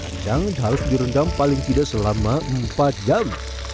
kacang harus direndam paling tidak selama empat jam